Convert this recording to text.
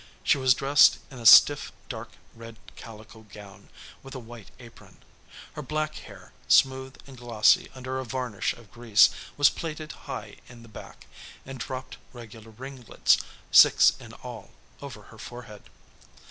She was dressed in a stiff, dark red calico gown, with a white apron. Her black hair, smooth and glossy under a varnish of grease, was plaited high in the back, and dropped regular ringlets, six in all, over her forehead.